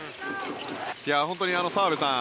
本当に澤部さん